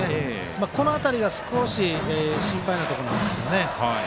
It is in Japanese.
この辺りが少し心配なところなんです。